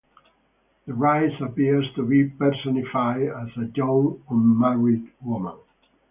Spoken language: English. The rice appears to be personified as a young unmarried woman.